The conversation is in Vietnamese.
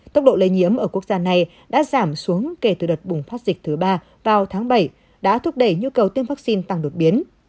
tốc độ lây nhiễm ở quốc gia này đã giảm xuống kể từ đợt bùng phát dịch thứ ba vào tháng bảy đã thúc đẩy nhu cầu tiêm vaccine tăng đột biến